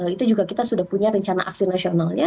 itu juga kita sudah punya rencana aksi nasionalnya